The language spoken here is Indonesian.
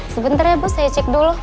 sebentar ya bu saya cek dulu